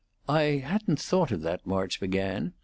"I hadn't thought of that," March began.